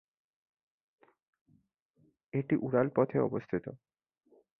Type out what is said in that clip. এটি উড়াল পথে অবস্থিত।